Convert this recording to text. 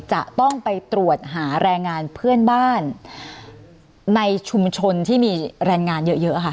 จะต้องไปตรวจหาแรงงานเพื่อนบ้านในชุมชนที่มีแรงงานเยอะค่ะ